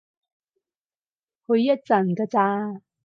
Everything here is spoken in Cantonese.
去一陣㗎咋